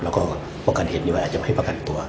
แล้วก็ป้องกันเหตุนี้ว่าอาจจะไม่ประกันตัว